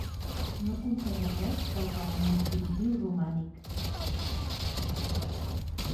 No conserva res del parament primitiu romànic.